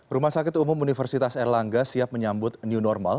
rumah sakit umum universitas erlangga siap menyambut new normal